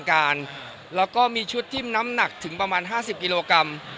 การแล้วก็มีชุดที่น้ำหนักถึงประมาณห้าสิบกิโลกรัม